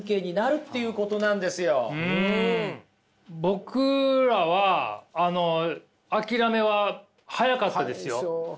僕らは諦めは早かったですよ。